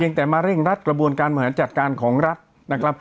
เพียงแต่มาเร่งรัฐกระบวนการมหาจัดการของรัฐนะครับ